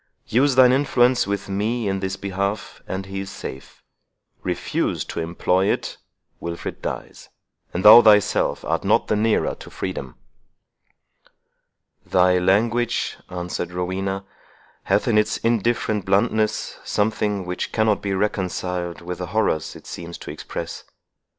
Use thine influence with me in his behalf, and he is safe,—refuse to employ it, Wilfred dies, and thou thyself art not the nearer to freedom." "Thy language," answered Rowena, "hath in its indifferent bluntness something which cannot be reconciled with the horrors it seems to express.